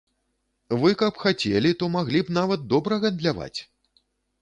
Вы каб хацелі, то маглі б нават добра гандляваць!